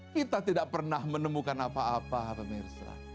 kita tidak pernah menemukan apa apa pemirsa